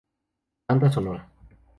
Banda sonora